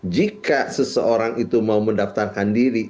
jika seseorang itu mau mendaftarkan diri